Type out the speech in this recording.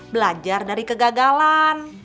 belajar dari kegagalan